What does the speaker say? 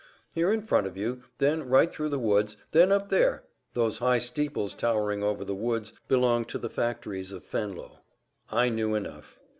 "Here in front of you, then right through the woods, then up there; those high steeples towering over the woods belong to the factories of Venlo." I knew enough.